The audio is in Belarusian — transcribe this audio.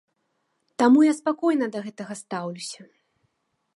Таму я спакойна да гэтага стаўлюся.